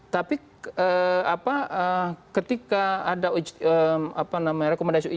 tapi apa ketika ada uj apa namanya rekomendasi